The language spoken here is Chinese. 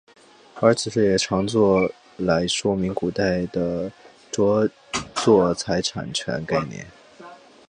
而此事也常作来说明古代的着作财产权概念。